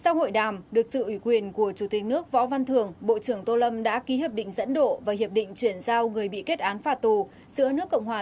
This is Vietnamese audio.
khi hiệp định dẫn độ và hiệp định chuyển giao người bị kết án phạt tù giữa nước cộng hòa